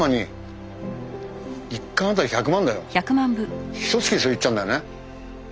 ひと月でそれいっちゃうんだよね。